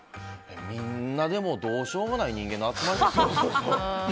みんな、どうしようもない人間の集まりですよ。